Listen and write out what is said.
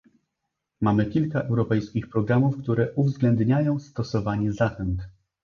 Mamy kilka europejskich programów, które uwzględniają stosowanie zachęt